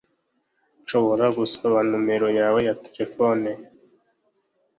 Nshobora gusaba numero yawe ya terefone